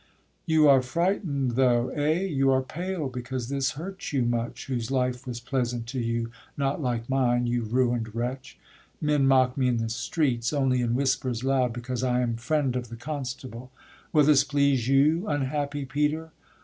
You are frighten'd, though, Eh! you are pale, because this hurts you much, Whose life was pleasant to you, not like mine, You ruin'd wretch! Men mock me in the streets, Only in whispers loud, because I am Friend of the constable; will this please you, Unhappy Peter?